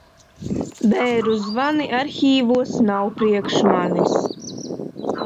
Bēru zvani arhīvos nav priekš manis.